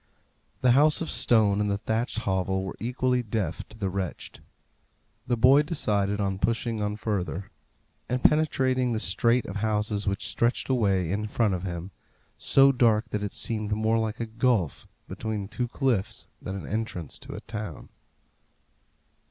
The house of stone and the thatched hovel were equally deaf to the wretched. The boy decided on pushing on further, and penetrating the strait of houses which stretched away in front of him, so dark that it seemed more like a gulf between two cliffs than the entrance to a town.